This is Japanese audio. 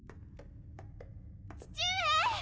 父上！